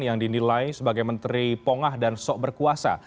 yang dinilai sebagai menteri pongah dan sok berkuasa